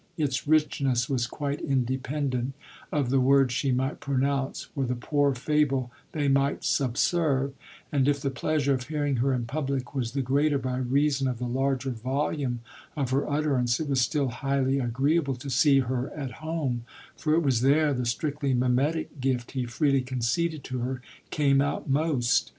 Its richness was quite independent of the words she might pronounce or the poor fable they might subserve, and if the pleasure of hearing her in public was the greater by reason of the larger volume of her utterance it was still highly agreeable to see her at home, for it was there the strictly mimetic gift he freely conceded to her came out most.